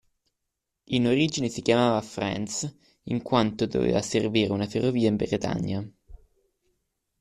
In origine si chiamava "France", in quanto doveva servire una ferrovia in Bretagna.